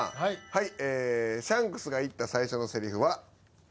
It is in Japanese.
はい。